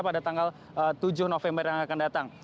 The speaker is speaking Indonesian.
pada tanggal tujuh november yang akan datang